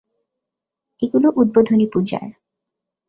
এগুলো উদ্বোধনী পূজার।